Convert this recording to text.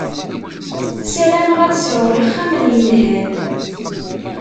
Sarameɣ ad sɛun ixxamen yelhan.